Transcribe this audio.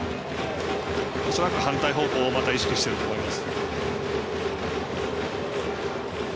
恐らく反対方向を意識していると思います。